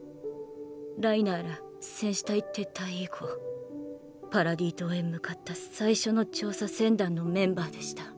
ライナーら戦士隊撤退以降パラディ島へ向かった最初の調査船団のメンバーでした。